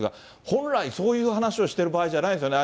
本来そういう話をしてる場合じゃないんですよね。